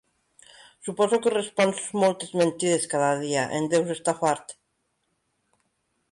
Suposo que respons moltes mentides cada dia, en deus estar fart.